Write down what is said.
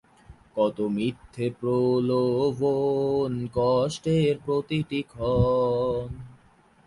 তিনি ছাড়া পৃথিবীতে দুর্ভিক্ষ নেমে আসে।